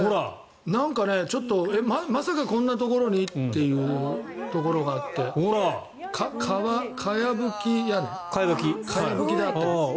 なんか、ちょっとまさかこんなところに？というところがあってかやぶき屋根。